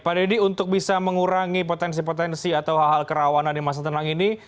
pak deddy untuk bisa mengurangi potensi potensi atau hal hal kerawanan di masa tenang ini